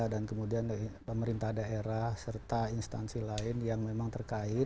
dan kemudian pemerintah daerah serta instansi lain yang memang terkait